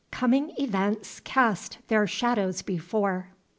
COMING EVENTS CAST THEIR SHADOWS BEFORE.